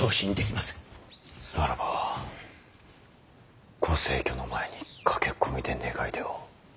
ならばご逝去の前に駆け込みで願い出を。